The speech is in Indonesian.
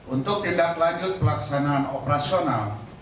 untuk tindak lanjut pelaksanaan operasional